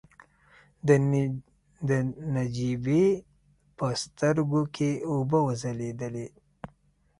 د نجيبې په سترګو کې اوبه وځلېدلې.